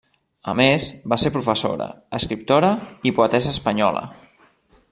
A més va ser professora, escriptora i poetessa espanyola.